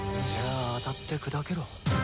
じゃあ当たって砕けろ。